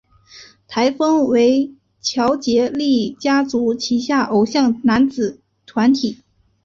台风为乔杰立家族旗下偶像男子团体。